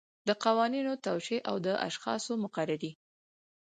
د قوانینو توشیح او د اشخاصو مقرري.